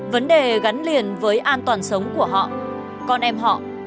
vấn đề gắn liền với an toàn sống của họ con em họ